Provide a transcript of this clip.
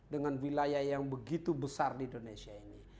dengan wilayah yang begitu besar di indonesia ini